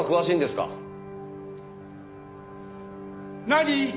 何？